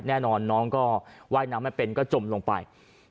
แน่นอนน้องก็ว่ายน้ำไม่เป็นก็จมลงไป